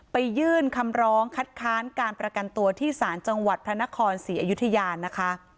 ยื่นคำร้องคัดค้านการประกันตัวที่ศาลจังหวัดพระนครศรีอยุธยานะคะ